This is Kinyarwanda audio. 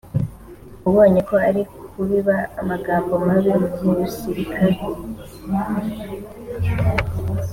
abonye ko ari kubiba amagambo mabi mu basirikare